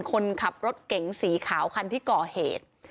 คนขับรถเก๋งสีขาวคันที่ก่อเหตุ